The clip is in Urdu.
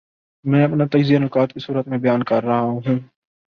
میں اپنا تجزیہ نکات کی صورت میں بیان کر رہا ہوں۔